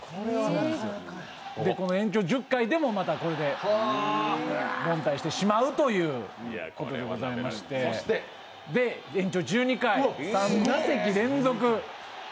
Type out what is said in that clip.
この延長１０回でもまたこれで凡退してしまうということでございましてで、延長１２回、３打席連続。